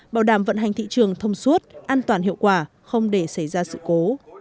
bảo đảm vận hành thị trường thông suốt an toàn hiệu quả không để xảy ra sự cố